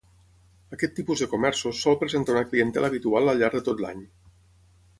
Aquest tipus de comerços sol presentar una clientela habitual al llarg de tot l'any.